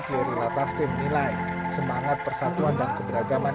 kira kira tasti menilai semangat persatuan dan keberagaman